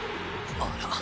あら